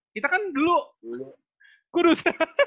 kita kan dulu kurus